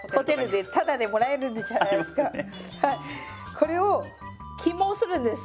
これを起毛するんです。